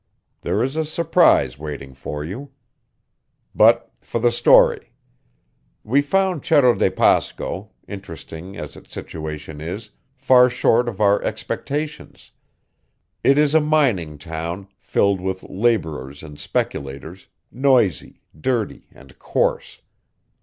There is a surprise waiting for you. But for the story. We found Cerro de Pasco, interesting as its situation is, far short of our expectations. It is a mining town, filled with laborers and speculators, noisy, dirty, and coarse.